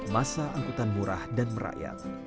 masa angkutan murah dan merakyat